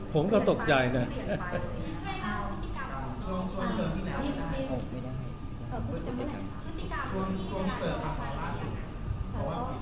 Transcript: ก็มาเท่าเรียนตามปกติไม่มีอะไรอย่างปกติอื่น